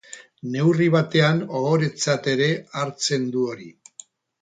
Neurri batean ohoretzat ere hartzen du hori.